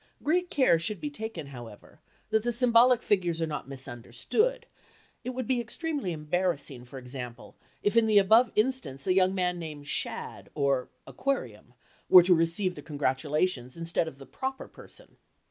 Great care should be taken, however, that the symbolic figures are not misunderstood; it would be extremely embarrassing, for example, if in the above instance, a young man named "Shad" or "Aquarium" were to receive the congratulations instead of the proper person.